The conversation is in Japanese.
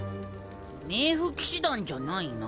冥府騎士団じゃないな。